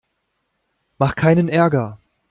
Mach keinen Ärger!